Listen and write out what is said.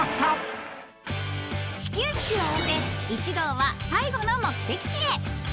［始球式を終えて一同は最後の目的地へ］